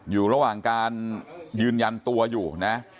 อยู่ระหว่างการยืนยันตัวอยู่นะ